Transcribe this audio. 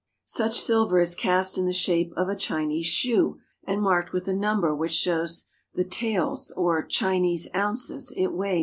Such silver is cast in the shape of a Chinese shoe and marked with a number which shows the taels, or Chinese ounces, it weighs.